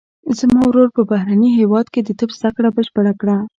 زما ورور په بهرني هیواد کې د طب زده کړه بشپړه کړه